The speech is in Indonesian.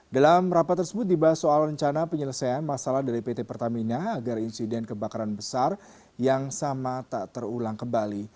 dalam rapat tersebut dibahas soal rencana penyelesaian masalah dari pt pertamina agar insiden kebakaran besar yang sama tak terulang kembali